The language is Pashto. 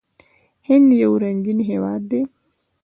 هند یو رنګین هیواد دی.